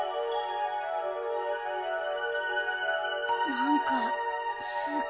なんかすっごい。